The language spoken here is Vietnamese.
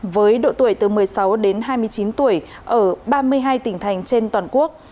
với độ tuổi từ một mươi sáu đến hai mươi chín tuổi ở ba mươi hai tỉnh thành trên toàn quốc